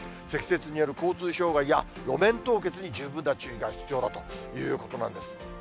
積雪による交通障害や、路面凍結に十分な注意が必要だということなんです。